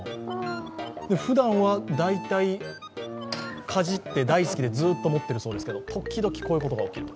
ふだんは大体、かじって大好きでずっと持ってるそうですけど、時々こういうことが怒ると。